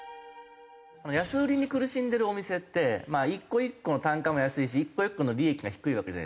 安売りに苦しんでるお店って１個１個の単価も安いし１個１個の利益が低いわけじゃないですか。